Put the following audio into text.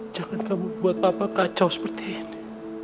jangan kamu buat papa kacau seperti ini